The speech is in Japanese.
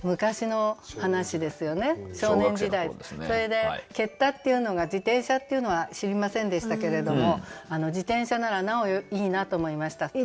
それでけったっていうのが自転車っていうのは知りませんでしたけれども自転車ならなおいいなと思いました。